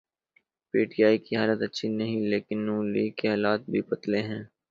P T I کی حالت اچھی نہیں لیکن نون لیگ کے حالات بھی پتلے ہیں۔